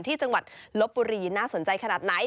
ที่จังหวัดลบบุรีน่าสนใจขนาดไหน